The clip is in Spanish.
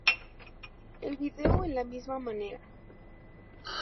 El vídeo en la misma manera.